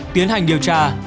tiến hành điều tra